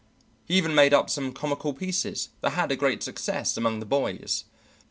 He even made up some comical pieces that had a great success among the boys.